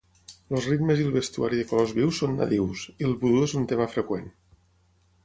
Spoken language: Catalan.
Els ritmes i el vestuari de colors vius són nadius, i el vudú és un tema freqüent.